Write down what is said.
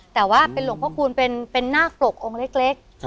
แต่ว่าลงพ่อคูนเป็นหน้ากรกองค์เล็ก